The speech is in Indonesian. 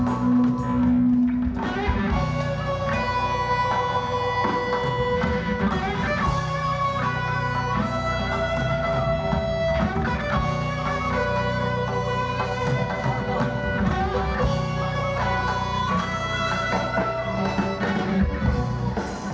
perlepatan panggung yang sudah dibangun oleh bapak gubernur baruk